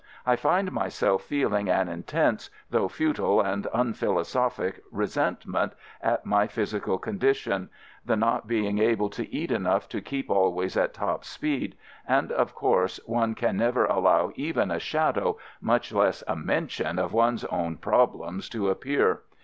I find myself feeling an intense — though futile and unphilosophic — resentment at my phys ical condition: the not being able to eat enough to keep always at top speed — and of course one can never allow even a shadow, much less a mention of one's own problems to appear.